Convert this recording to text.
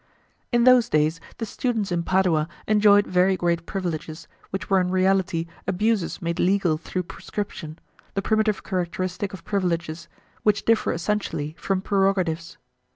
In those days the students in Padua enjoyed very great privileges, which were in reality abuses made legal through prescription, the primitive characteristic of privileges, which differ essentially from prerogatives.